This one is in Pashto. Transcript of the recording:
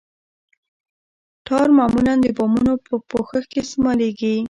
ټار معمولاً د بامونو په پوښښ کې استعمالیږي